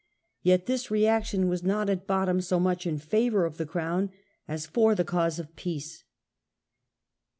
Yet this reaction was not at bottom so much in favour of the crown as for the cause of peace.